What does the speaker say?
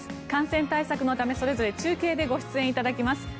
感染対策のためそれぞれ中継でご出演いただきます。